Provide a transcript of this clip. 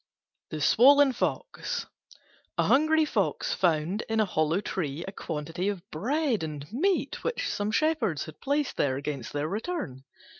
THE SWOLLEN FOX A hungry Fox found in a hollow tree a quantity of bread and meat, which some shepherds had placed there against their return.